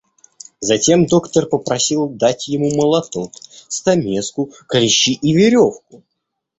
Затем доктор попросил дать ему молоток, стамеску, клещи и веревку.